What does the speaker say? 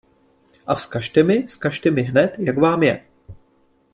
A vzkažte mi, vzkažte mi hned, jak vám je!